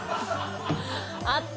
あった。